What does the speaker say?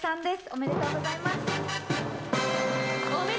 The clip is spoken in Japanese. おめでとうございます。